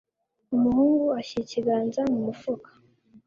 Umuhungu ashyira ikiganza mu mufuka.